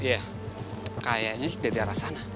ya kayaknya sih dari arah sana